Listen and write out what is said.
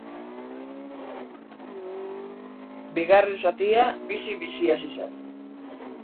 Bigarren zatia bizi-bizi hasi zen.